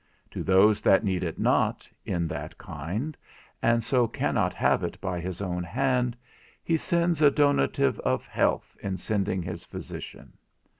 To those that need it not, in that kind, and so cannot have it by his own hand, he sends a donative of health in sending his physician.